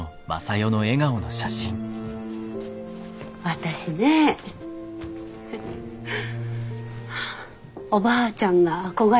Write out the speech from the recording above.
私ねえおばあちゃんが憧れの人なの。